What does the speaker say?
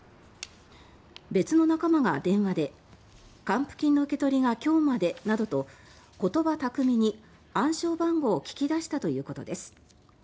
別の仲間が電話で還付金の受け取りが今日までなどと言葉巧みに暗証番号を聞き出したということです。